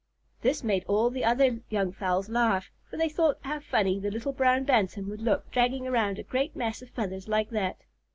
This made all the other young fowls laugh, for they thought how funny the little brown Bantam would look dragging around a great mass of feathers like that.